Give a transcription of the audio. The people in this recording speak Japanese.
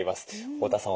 太田さん